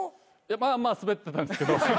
まあまあスベってたんですけど。